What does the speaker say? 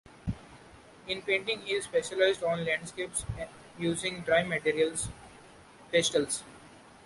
In painting he specialised on landscapes using dry materials pastels.